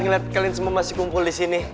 ngeliat kalian semua masih kumpul disini